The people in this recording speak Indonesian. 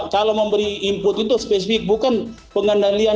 kalau memberi input itu spesifik bukan pengendalian